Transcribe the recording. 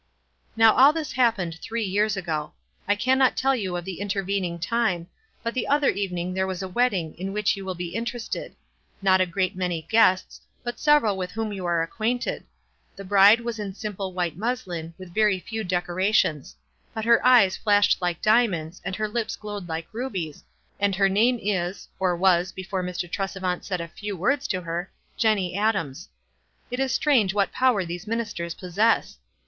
Now, all this happened three years ago. I cannot tell you of the intervening time, but the other evening there was a wedding in which you will be interested — not a great many guests, but several with whom you are acquainted. The bride was in simple white muslin, with very few decorations ; but her eyes flashed like diamonds and her lips glowed like rubies, and her name is, or was, before Mr. Tresevant said a h\v words to her, Jenny xVdams. It is strange what power these ministers possess